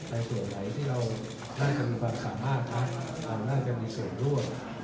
ใครส่วนไหนที่เราน่ากลุ่มกันความสามารถออกมาเป็นวิสูพ์ร่วม